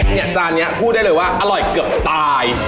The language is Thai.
จานนี้พูดได้เลยว่าอร่อยเกือบตาย